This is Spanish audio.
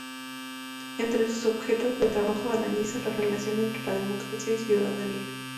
Entre sus objetos de trabajo analiza la relación entre la democracia y ciudadanía.